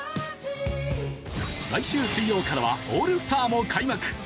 来週水曜からはオールスターも開幕。